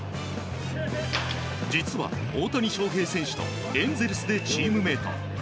実は大谷翔平選手とエンゼルスでチームメート。